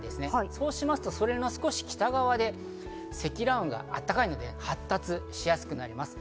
そうしますと、それの少し北側で、積乱雲があったかいので発達しやすくなります。